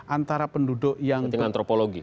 antara penduduk yang setting antropologi